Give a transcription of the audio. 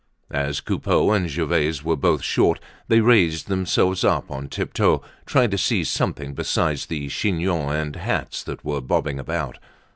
As Coupeau and Gervaise were both short, they raised themselves up on tiptoe, trying to see something besides the chignons and hats that were bobbing about.